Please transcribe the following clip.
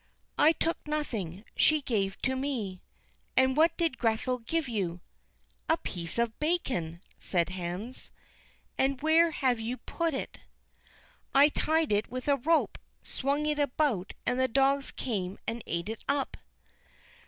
"I took nothing; she gave to me." "And what did Grethel give you?" "A piece of bacon," said Hans. "And where have you put it?" "I tied it with a rope, swung it about, and the dogs came and ate it up."